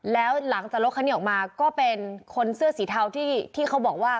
แล้วหลังจากรถคันนี้ออกมาก็เป็นคนเสื้อสีเทาที่เขาบอกว่า